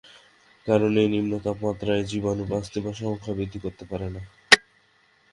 কারণ এই নিম্ন তাপমাত্রায় জীবাণু বাঁচতে বা সংখ্যাবৃদ্ধি করতে পারে না।